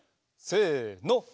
せの。